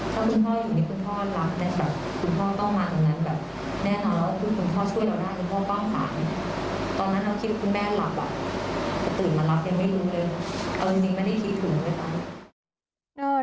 ถ้าคุณพ่ออยู่นี่คุณพ่อรักคุณพ่อก็มาทางนั้นแน่นอน